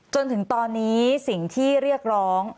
จนถึงตอนนี้สิ่งที่เรียกร้อง